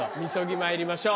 禊まいりましょう。